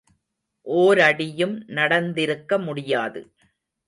ஓரடியும் நடந்திருக்க முடியாது.